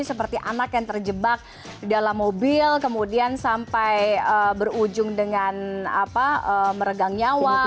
seperti anak yang terjebak di dalam mobil kemudian sampai berujung dengan meregang nyawa